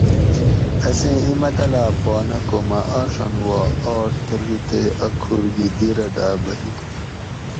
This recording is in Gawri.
اسیں اِیں مطلاۤب پا نہ کو مہ آڄھن وا آٹ تلو تے اۤ کُھور گھی دی رہ داۤ بھئی